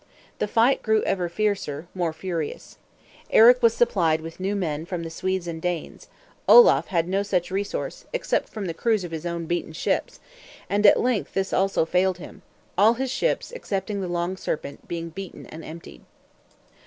The fight grew ever fiercer, more furious. Eric was supplied with new men from the Swedes and Danes; Olaf had no such resource, except from the crews of his own beaten ships, and at length this also failed him; all his ships, except the Long Serpent, being beaten and emptied.